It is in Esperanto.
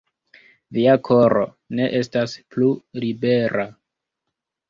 Via koro ne estas plu libera.